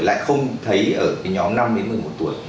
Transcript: lại không thấy ở cái nhóm năm đến một mươi một tuổi